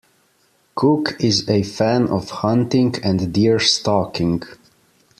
Cook is a fan of hunting and deer stalking.